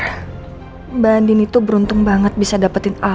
musik mbak andin itu beruntung banget bisa dapetin al